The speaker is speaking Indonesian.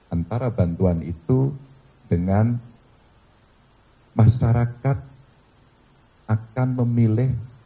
antara bantuan itu dengan masyarakat akan memilih